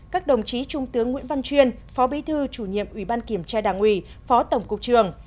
các đồng chí trung tướng nguyễn văn chuyên phó bí thư chủ nhiệm ủy ban kiểm tra đảng ủy phó tổng cục trường